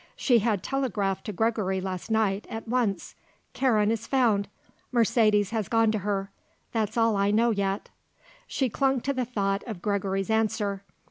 She had telegraphed to Gregory last night, at once: "Karen is found. Mercedes has gone to her. That's all I know yet." She clung to the thought of Gregory's answer.